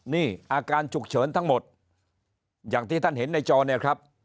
นี่อาการฉุกเฉินทั้งหมดอย่างที่ท่านเห็นในจอเนี่ยครับ